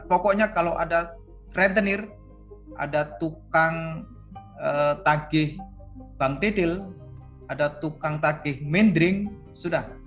pokoknya kalau ada rentenir ada tukang tagih bank titil ada tukang tagih mindering sudah